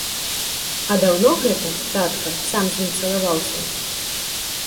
А даўно гэта, татка, сам з ім цалаваўся?